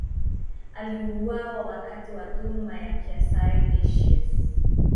Aliuawa wakati wa dhuluma ya kaisari Decius.